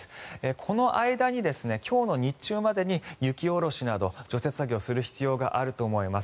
この間に今日の日中までに雪下ろしなど除雪作業をする必要があると思います。